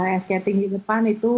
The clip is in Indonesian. unskating di depan itu